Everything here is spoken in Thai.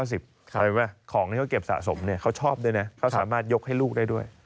เห็นไหมของที่เขาเก็บสะสมเขาชอบด้วยนะเขาสามารถยกให้ลูกได้ด้วย